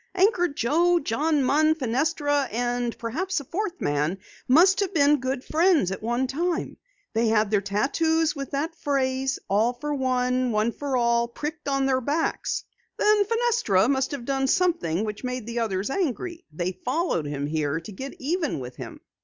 Anchor Joe, John Munn, Fenestra, and perhaps a fourth man must have been good friends at one time. They had their tattoos with that phrase, All for one, one for all, pricked on their backs. Then Fenestra must have done something which made the others angry. They followed him here to get even with him."